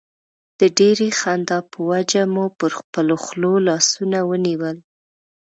د ډېرې خندا په وجه مو پر خپلو خولو لاسونه ونیول.